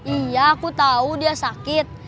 iya aku tahu dia sakit